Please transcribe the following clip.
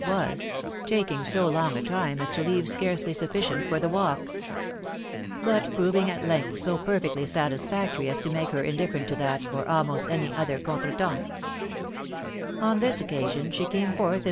H wae> taking' so long a time as to leave scarcely sufficient for the walk; ban proving at length so per fectly satisfactory as to moke her indifferent to that, or almost any other contre* temps* On thie occasion she came forth in.